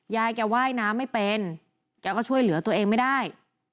ยายแกว่ายน้ำไม่เป็นแกก็ช่วยเหลือตัวเองไม่ได้